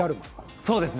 そうですね